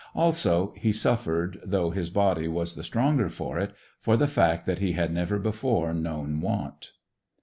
Also, he suffered, though his body was the stronger for it, for the fact that he had never before known want.